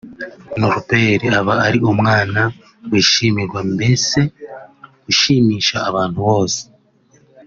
Norbert aba ari umwana wishimirwa mbese ushimisha abantu bose